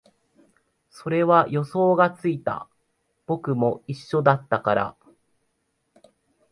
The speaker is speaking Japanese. それは予想がついた、僕も一緒だったから